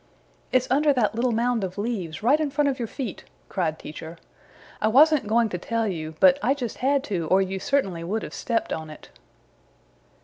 "It's under that little mound of leaves right in front of your feet!" cried Teacher. "I wasn't going to tell you, but I just had to or you certainly would have stepped on it."